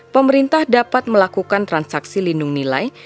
pemerintah dapat melakukan transaksi lindung nilai